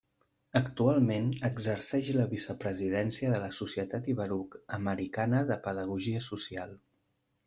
Actualment exerceix la vicepresidència de la Societat Iberoamericana de Pedagogia Social.